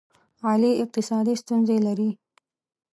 علي اقتصادي ستونزې لري.